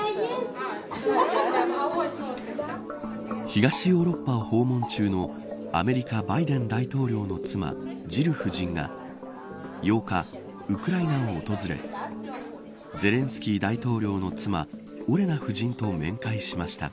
東ヨーロッパを訪問中のアメリカ、バイデン大統領の妻ジル夫人が８日、ウクライナを訪れゼレンスキー大統領の妻オレナ夫人と面会しました。